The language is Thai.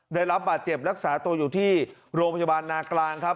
ได้รับบาดเจ็บรักษาตัวอยู่ที่โรงพยาบาลนากลางครับ